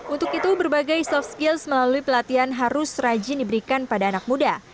untuk itu berbagai soft skills melalui pelatihan harus rajin diberikan pada anak muda